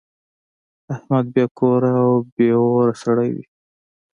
احمد بې کوره او بې اوره سړی دی.